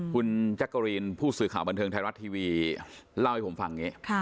คุณแจ๊กกะรีนผู้สื่อข่าวบันเทิงไทยรัฐทีวีเล่าให้ผมฟังอย่างนี้